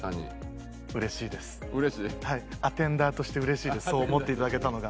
アテンダーとしてうれしいですそう思っていただけたのが。